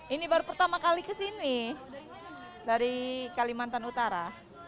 ini baru pertama kali kesini dari kalimantan utara